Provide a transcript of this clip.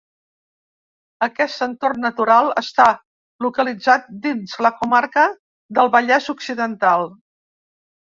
Aquest entorn natural està localitzat dins la comarca del Vallès Occidental.